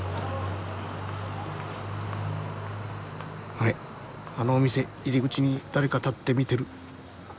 あれあのお店入り口に誰か立って見てる。